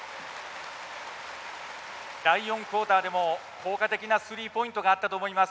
第４クオーターでも効果的なスリーポイントがあったと思います。